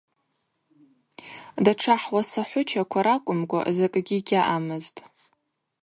Датша хӏуасахӏвычаква ракӏвымкӏва закӏгьи гьаъамызтӏ.